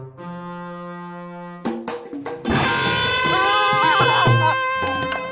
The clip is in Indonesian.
dan kamu lakukan apa